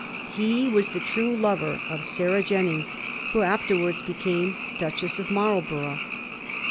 He was the true lover of Sarah Jennings, who afterwards became Duchess of Marlborough.